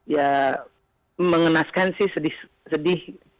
ya mengenaskan sih sedih